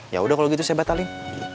yaudah kalau gitu saya batalin